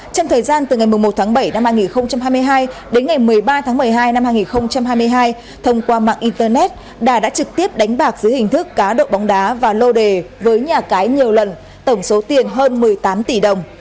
trong thời gian từ ngày một tháng bảy năm hai nghìn hai mươi hai đến ngày một mươi ba tháng một mươi hai năm hai nghìn hai mươi hai thông qua mạng internet đà đã trực tiếp đánh bạc dưới hình thức cá độ bóng đá và lô đề với nhà cái nhiều lần tổng số tiền hơn một mươi tám tỷ đồng